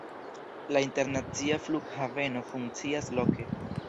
La internacia flughaveno funkcias loke.